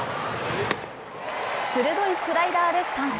鋭いスライダーで三振。